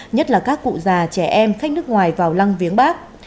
nhất là các cụ già trẻ em khách nước ngoài vào lăng viếng bắc